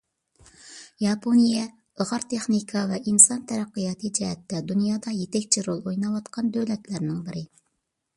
ياپونىيە — ئىلغار تېخنىكا ۋە ئىنسان تەرەققىياتى جەھەتتە دۇنيادا يېتەكچى رول ئويناۋاتقان دۆلەتلەرنىڭ بىرى.